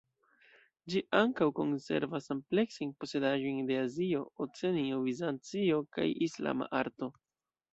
Ĝi ankaŭ konservas ampleksajn posedaĵojn de Azio, Oceanio, Bizancio, kaj Islama arto.